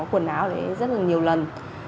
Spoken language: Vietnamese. quần áo đấy rất là nhiều lần